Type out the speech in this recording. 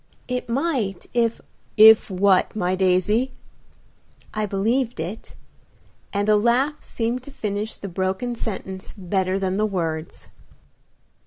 "It might if " "If what, my daisy?" "I believed it," and a laugh seemed to finish the broken sentence better than the words.